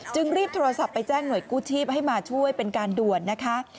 รีบโทรศัพท์ไปแจ้งหน่วยกู้ชีพให้มาช่วยเป็นการด่วนนะคะ